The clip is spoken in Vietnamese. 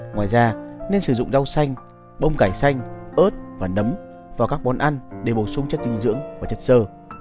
ngoài ra nên sử dụng rau xanh bông cải xanh ớt và nấm vào các món ăn để bổ sung chất dinh dưỡng và chất sơ